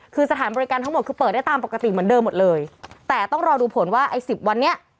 คือสถานบริการทั้งหมดคือเปิดได้ตามปกติเหมือนเดิมหมดเลยแต่ต้องรอดูผลว่าไอ้สิบวันนี้